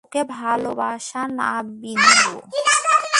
তোকে ভালোবাসে না, বিন্দু?